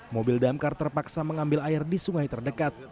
mobil damkar terpaksa mengambil air di sungai terdekat